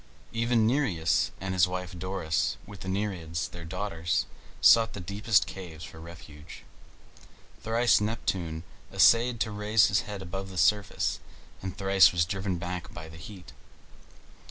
Even Nereus, and his wife Doris, with the Nereids, their daughters, sought the deepest caves for refuge. Thrice Neptune essayed to raise his head above the surface, and thrice was driven back by the heat.